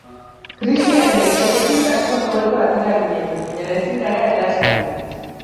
Krisiaren ekaitzetik asko hobeto atera ginen, baina ezin gara erlaxatu.